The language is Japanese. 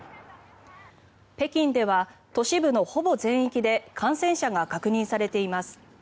北京では都市部のほぼ全域で感染者が確認されています。